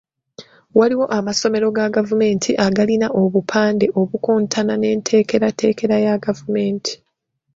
Waliwo amasomero ga gavumenti agalina obupande obukontana n’enteekerateekera ya gavumenti.